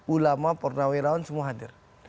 ulama pornawiraun semua hadir